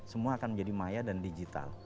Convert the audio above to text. semua akan menjadi maya dan digital